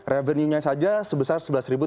revenue nya saja sebesar sebelas tiga ratus